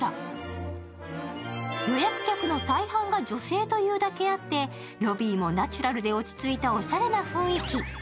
予約客の大半が女性というだけあってロビーもナチュラルで落ち着いた、おしゃれな雰囲気。